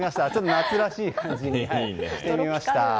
夏らしい感じにしてみました。